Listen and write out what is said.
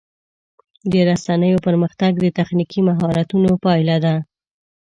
د رسنیو پرمختګ د تخنیکي مهارتونو پایله ده.